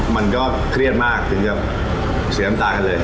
มันก็เครียดมากถึงกับเสียน้ำตากันเลย